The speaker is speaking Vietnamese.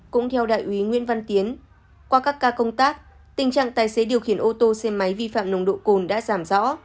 cũng theo đại úy nguyễn văn tiến qua các ca công tác tình trạng tài xế điều khiển ô tô xe máy vi phạm nồng độ cồn đã giảm rõ